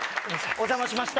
お邪魔しました。